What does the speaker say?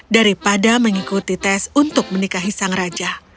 daripada mengikuti tes untuk menikahi sang raja